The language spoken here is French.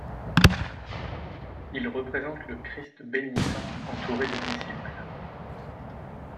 Il représente le Christ bénissant entouré de disciples.